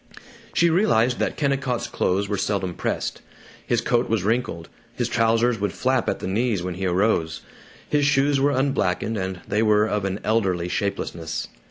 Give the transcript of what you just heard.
She realized that Kennicott's clothes were seldom pressed. His coat was wrinkled; his trousers would flap at the knees when he arose. His shoes were unblacked, and they were of an elderly shapelessness.